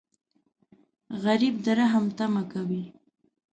غریب د رحم تمه کوي